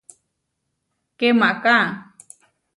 ¡Kemaká!